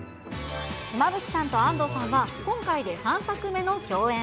妻夫木さんと安藤さんは今回で３作目の共演。